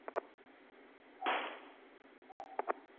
আমি হ্যান্ডসাম এডি।